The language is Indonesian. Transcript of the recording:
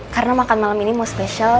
karena makan malam ini mau spesial